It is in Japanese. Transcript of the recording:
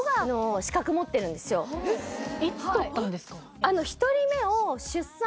いつ取ったんですか？